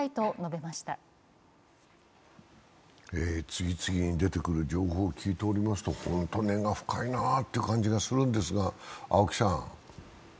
次々に出てくる情報を聞いておりますと、ほんと根が深いなという感じがするんですが。